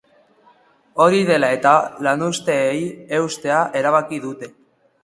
Hori dela eta, lanuzteei eustea erabaki dute.